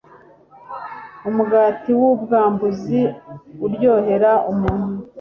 umugati w'ubwambuzi uryohera umuntu